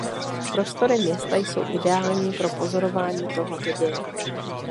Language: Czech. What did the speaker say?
Prostory města jsou ideální pro pozorování tohoto děje.